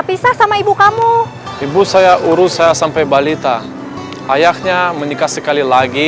pisah sama ibu kamu ibu saya urus saya sampai balita ayahnya menikah sekali lagi